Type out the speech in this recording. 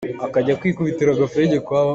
Nan ṭuang a nar ngai.